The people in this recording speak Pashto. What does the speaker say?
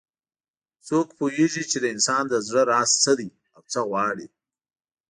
څوک پوهیږي چې د انسان د زړه راز څه ده او څه غواړي